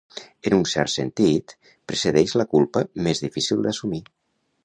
En un cert sentit, precedeix la culpa més difícil d'assumir.